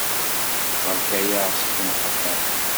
Berka-yaɣ seg umqelleɛ.